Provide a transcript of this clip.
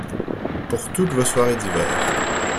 Pour toutes vos soirées d’hiver !